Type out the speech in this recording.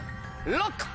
ＬＯＣＫ！